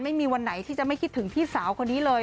ไม่มีวันไหนที่จะไม่คิดถึงพี่สาวคนนี้เลย